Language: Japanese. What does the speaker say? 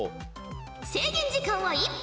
制限時間は１分。